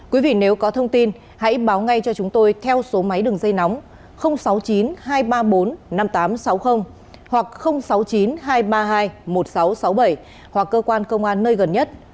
quý vị nếu có thông tin hãy báo ngay cho chúng tôi theo số máy đường dây nóng sáu mươi chín hai trăm ba mươi bốn năm nghìn tám trăm sáu mươi hoặc sáu mươi chín hai trăm ba mươi hai một nghìn sáu trăm sáu mươi bảy hoặc cơ quan công an nơi gần nhất